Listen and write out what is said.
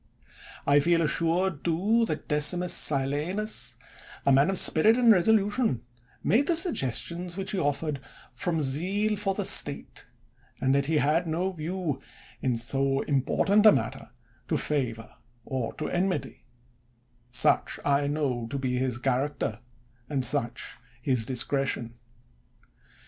I feel assured, too, that Decimus Silanus, a man of spirit and resolution, made the suggestions which he offered, from zeal for the State, and that he had no view, in so important a matter, to favor or to enmity ; such I know to be his character, and such his discretion.